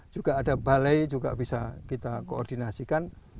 juga ada balai juga bisa kita koordinasikan